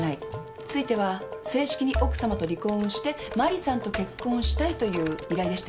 ついては正式に奥さまと離婚をして真理さんと結婚したい」という依頼でしたよね。